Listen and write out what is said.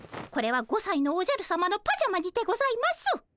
これは５さいのおじゃるさまのパジャマにてございます。